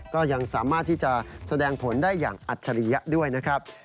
ก็ยังสามารถที่จะแสดงผลได้อย่างอัจฉริยะด้วยนะครับ